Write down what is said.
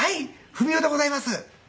文男でございます」。